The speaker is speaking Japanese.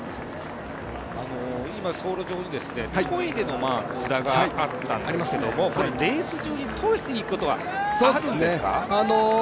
今、走路上にトイレの札があったんですけどレース中にトイレに行くことはあるんですか？